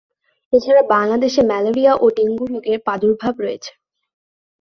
এছাড়া বাংলাদেশে ম্যালেরিয়া ও ডেঙ্গু রোগের প্রাদুর্ভাব রয়েছে।